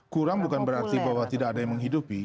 kurang bukan berarti bahwa tidak ada yang menghidupi